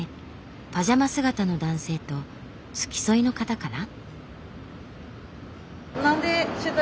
パジャマ姿の男性と付き添いの方かな？